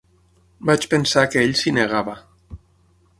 Vaig pensar que ell s’hi negava.